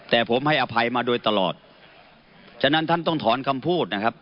แต่ผมให้อภัยมาโดยตลอดฉะนั้นท่านต้องถอนคำพูดนะครับ